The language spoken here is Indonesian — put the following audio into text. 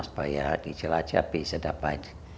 supaya di cilacap bisa dapat